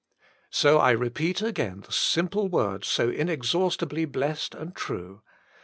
So I repeat again the simple words so inexhaus tibly blessed and true.